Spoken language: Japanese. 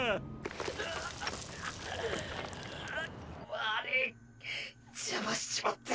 悪ぃ邪魔しちまって。